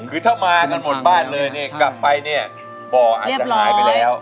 คือถ้ามากันหมดบ้านเลยเนี่ยกลับไปเนี่ยบ่ออาจจะหายไปแล้ว